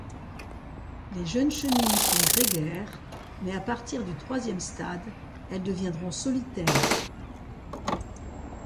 Les jeunes chenilles sont grégaires, mais à partir du troisième stade, elles deviendront solitaires.